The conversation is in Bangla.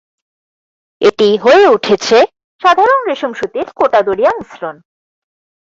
এটি হয়ে উঠেছে সাধারণ রেশম-সুতির কোটা দরিয়া মিশ্রণ।